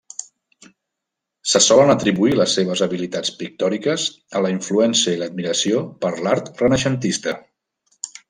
Se solen atribuir les seves habilitats pictòriques a la influència i l'admiració per l'art renaixentista.